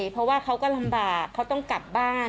เพราะว่าเขาก็ลำบากเขาต้องกลับบ้าน